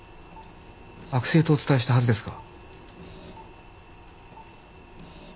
悪性とお伝えしたはずですが。